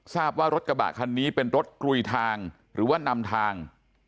ทราบว่ารถกระบะคันนี้เป็นรถกลุยทางหรือว่านำทาง